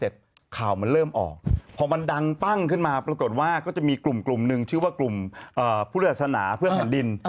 ทางปั้งขึ้นมาปรากฏว่าก็จะมีกลุ่มหนึ่งชื่อว่ากลุ่มผู้ลาสนาเพื่องแผ่นดิน